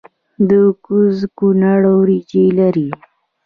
د کوز کونړ وریجې لري